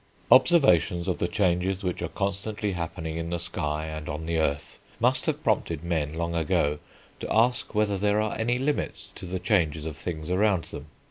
Observations of the changes which are constantly happening in the sky, and on the earth, must have prompted men long ago to ask whether there are any limits to the changes of things around them.